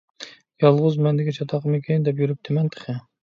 يالغۇز مەندىكى چاتاقمىكىن دەپ يۈرۈپتىمەن تېخى.